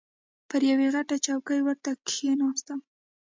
پر یوې غټه چوکۍ ورته کښېناستم.